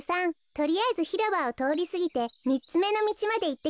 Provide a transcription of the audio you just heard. とりあえずひろばをとおりすぎてみっつめのみちまでいってください。